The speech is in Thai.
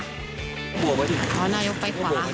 อ๋อนายกไปขวา